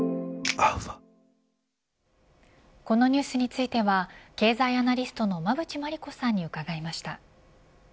このニュースについては経済アナリストの馬渕磨理子さんに伺いました。